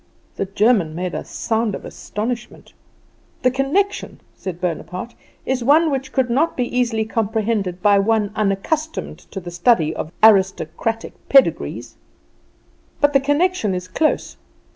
The German made a sound of astonishment. "The connection," said Bonaparte, "is one which could not be easily comprehended by one unaccustomed to the study of aristocratic pedigrees; but the connection is close."